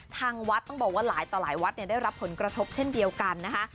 ทางวัดต้องบอกว่าหลายต่อหลายวัดได้รับผลกระทบเช่นเดียวกันนะคะ